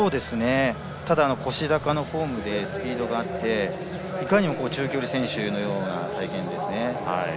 ただ、腰高のフォームでスピードがあっていかにも中距離選手のような体形ですね。